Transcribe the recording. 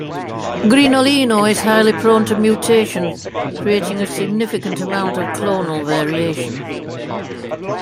Grignolino is highly prone to mutation, creating a significant amount of clonal variation.